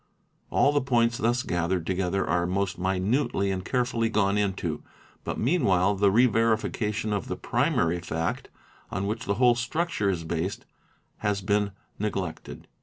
All the points thus gathered together are most minutely and carefully gone into, but meanwhile the re verification of the primary fact on which the whole structure is based has been neg lected.